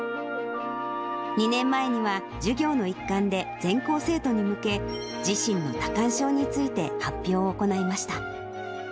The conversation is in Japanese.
２年前には、授業の一環で全校生徒に向け、自身の多汗症について発表を行いました。